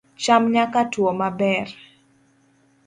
cham nyaka tuwo maber